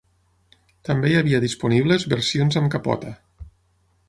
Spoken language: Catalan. També hi ha havia disponibles versions amb capota.